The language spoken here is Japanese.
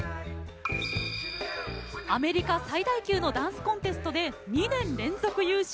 アメリカ最大級のダンスコンテストで２年連続優勝。